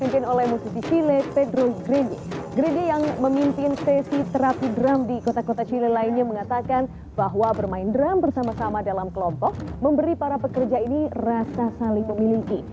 mungkin sesi terapi drum di kota kota chile lainnya mengatakan bahwa bermain drum bersama sama dalam kelompok memberi para pekerja ini rasa saling memiliki